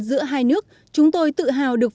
giữa hai nước chúng tôi tự hào được